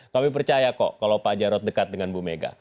kami percaya kok kalau pak jarod dekat dengan bumega